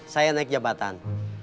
saya naik jabatan